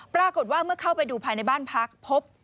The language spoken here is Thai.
ปรากฏว่าเมื่อเข้าไปดูภายในบ้านพักพบ